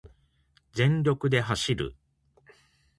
全力で走る